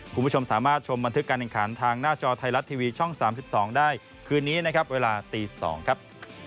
คุณผู้ชมสามารถชมบันทึกการแข่งขันทางหน้าจอไทยรัฐทีวีช่อง๓๒ได้คืนนี้นะครับเวลาตี๒ครับ